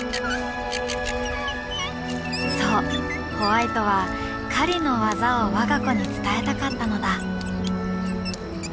そうホワイトは狩りの技を我が子に伝えたかったのだ。